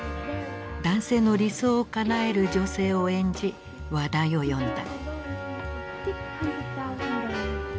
男性の理想をかなえる女性を演じ話題を呼んだ。